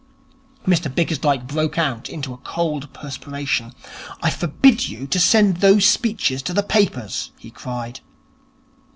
Mr Bickersdyke broke out into a cold perspiration. 'I forbid you to send those speeches to the papers,' he cried.